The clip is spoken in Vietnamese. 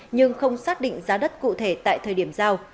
nhưng không xác định giá đất cụ thể tại thời điểm giao